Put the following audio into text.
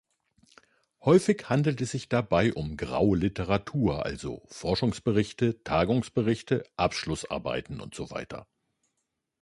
Häufig handelt es sich dabei um graue Literatur, also Forschungsberichte, Tagungsberichte, Abschlussarbeiten usw.